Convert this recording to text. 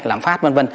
làm phát v v